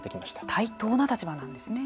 対等な立場なんですね。